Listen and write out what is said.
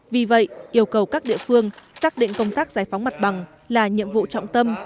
vì vậy yêu cầu các địa phương xác định công tác giải phóng mặt bằng là nhiệm vụ trọng tâm